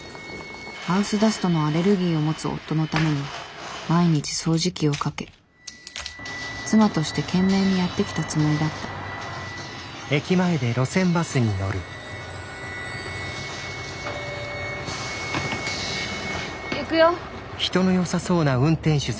ハウスダストのアレルギーを持つ夫のために毎日掃除機をかけ妻として懸命にやってきたつもりだった行くよ。